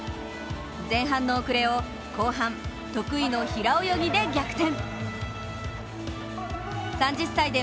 前半の遅れを後半、得意の平泳ぎで逆転。